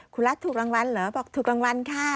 คุณรัฐถูกรางวัลเหรอบอกถูกรางวัลค่ะ